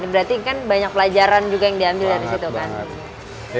berarti kan banyak pelajaran juga yang diambil dari situ kan